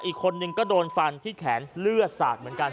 อีกคนนึงก็โดนฟันที่แขนเลือดสาดเหมือนกัน